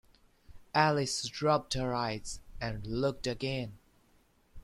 Alice rubbed her eyes, and looked again.